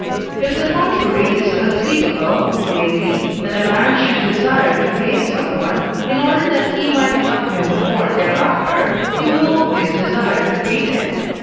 If the contrary is conceivable, namely, that a man should desire to hate someone, in order that he might love him the more thereafter, he will always desire to hate him.